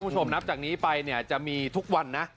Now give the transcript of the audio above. คุณผู้ชมนับจากนี้ไปเนี่ยจะมีทุกวันนะ